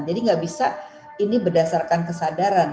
jadi tidak bisa ini berdasarkan kesadaran